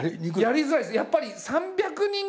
やりづらいです。